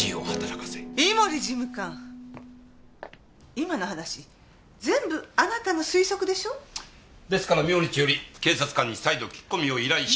今の話全部あなたの推測でしょ？ですから明日より警察官に再度聞き込みを依頼し。